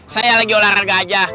saya lagi olahraga aja